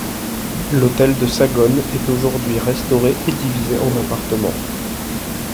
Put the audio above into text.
L’hôtel de Sagonne est aujourd'hui restauré et divisé en appartements.